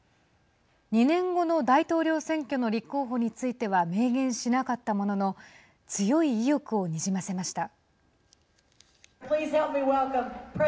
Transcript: ２年後の大統領選挙の立候補については明言しなかったものの強い意欲をにじませました。